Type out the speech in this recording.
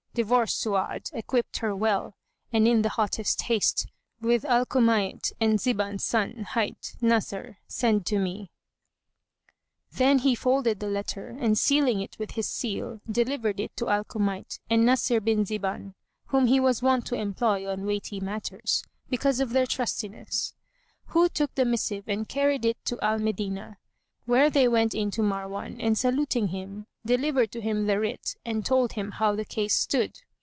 Divorce Su'ad, equip her well, and in the hottest haste * With Al Kumayt and Ziban's son, hight Nasr, send to me. Then he folded the letter and, sealing it with his seal, delivered it to Al Kumayt[FN#149] and Nasr bin Zibán (whom he was wont to employ on weighty matters, because of their trustiness) who took the missive and carried it to Al Medinah, where they went in to Marwan and saluting him delivered to him the writ and told him how the case stood.